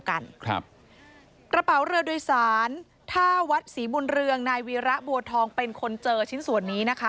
วัดศรีบุญเรืองนายวีระบัวทองเป็นคนเจอชิ้นส่วนนี้นะคะ